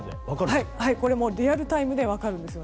リアルタイムで分かるんですか？